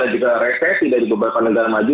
dan juga resesi dari beberapa negara maju